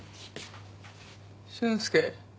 俊介。